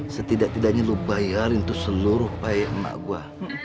setidak tidaknya lu bayarin tuh seluruh payah emak gue